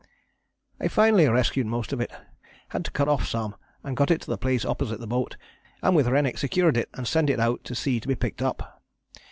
I finally rescued most of it had to cut off some and got it to the place opposite the boat, and with Rennick secured it and sent it out to sea to be picked up.